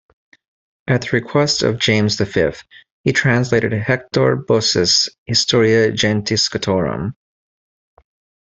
At the request of James the Fifth he translated Hector Boece's "Historia Gentis Scotorum".